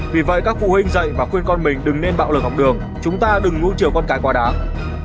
vì vậy các phụ huynh dạy và khuyên con mình đừng nên bạo lực học đường chúng ta đừng ngua con cái quá đáng